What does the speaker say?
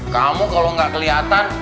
kamu kalo gak keliatan